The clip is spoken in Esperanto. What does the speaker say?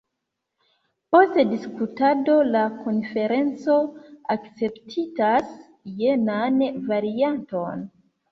Post diskutado la konferenco akceptas jenan varianton.